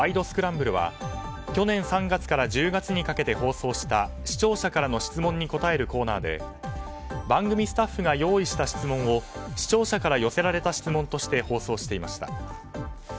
スクランブル」は去年３月から１０月にかけて放送した視聴者からの質問に答えるコーナーで番組スタッフが用意した質問を視聴者から寄せられた質問として放送していました。